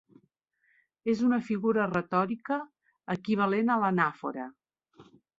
És una figura retòrica equivalent a l'anàfora.